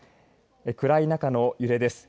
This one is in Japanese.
暗い中の揺れです。